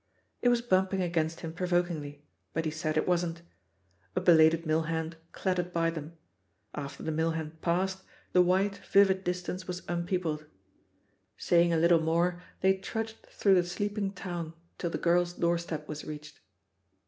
It was bumping against him provokingly, but he said it wasn't. A belated mill hand clattered by them. After the mill hand passed, the white, vivid distance was unpeopled. Saying a little 14 THE POSITION OF PEGGY HARPER more, they trudged through the sleeping toTm till the girl's doorstep was reached.